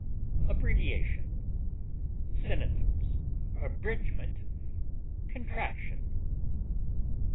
ABBREVIATION. Synonyms: abridgment, contraction.